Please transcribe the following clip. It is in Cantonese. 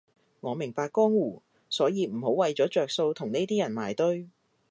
我明白江湖，所以唔好為咗着數同呢啲人埋堆